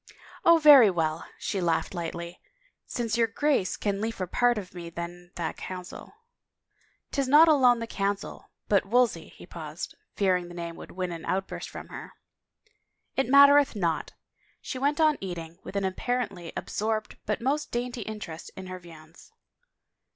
" Oh, very well," she laughed lightly, " since your Grace can liefer part from me than that Council." " Tis not alone the Council but Wolsey —" he paused, fearing the name would win an outburst from her. " It mattereth not." She went on eating, with an ap parently absorbed but most dainty interest in her viands.